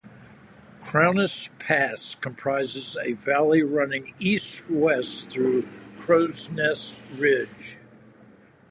Crowsnest Pass comprises a valley running east-west through Crowsnest Ridge.